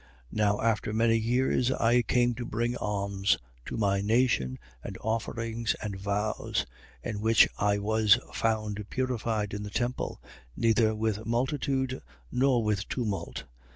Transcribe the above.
24:17. Now after many years, I came to bring alms to my nation and offerings and vows. 24:18. In which I was found purified in the temple: neither with multitude nor with tumult.